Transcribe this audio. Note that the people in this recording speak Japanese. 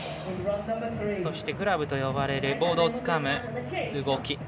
そしてグラブと呼ばれるボードをつかむ動き。